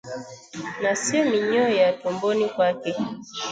na sio minyoo ya tumboni kwake